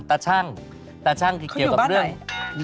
ตะชั่งคือเกี่ยวกับเรื่อง